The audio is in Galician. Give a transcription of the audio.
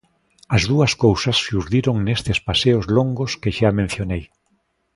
As dúas cousas xurdiron nestes paseos longos que xa mencionei.